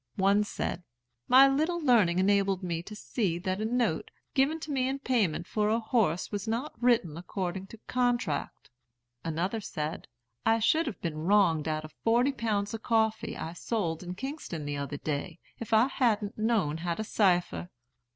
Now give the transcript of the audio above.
One said, 'My little learning enabled me to see that a note, given to me in payment for a horse was not written according to contract.' Another said, 'I should have been wronged out of forty pounds of coffee I sold in Kingston the other day, if I hadn't known how to cipher.'